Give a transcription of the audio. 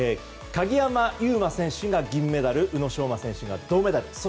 鍵山優真選手が銀メダル宇野昌磨選手が銅メダル。